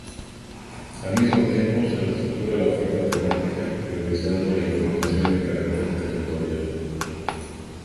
Al mismo tiempo, se reestructura la oferta temática priorizando la información de carácter territorial.